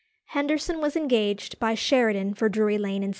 Henderson was engaged by Sheridan for Drury Lane in 1777.